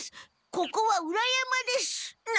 ここは裏山です。な！？